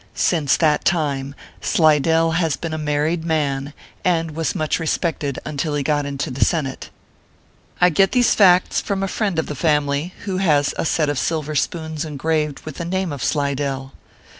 Since that time, Slidell has been a married man, and was much respected until he got into the Senate. I get these facts from a friend of the family, who has a set of silver spoons engraved with the name of Slidell.